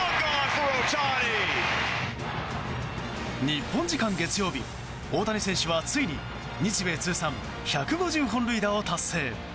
日本時間月曜日、大谷選手はついに日米通算１５０号本塁打を達成。